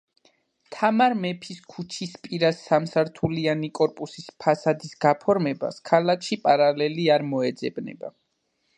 თამარ მეფის ქუჩისპირა სამსართულიანი კორპუსის ფასადის გაფორმებას ქალაქში პარალელი არ მოეძებნება.